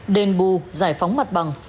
đền bù giải phóng mặt bằng